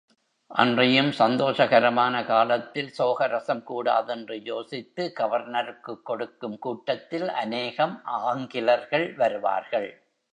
அன்றியும், சந்தோஷகரமான காலத்தில், சோகரசம் கூடாதென்று யோசித்து, கவர்னருக்குக் கொடுக்கும் கூட்டத்தில் அநேகம் ஆங்கிலர்கள் வருவார்கள்.